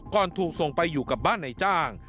ก่อนถูกส่งไปอยู่กับบ้านไหน้จ้าง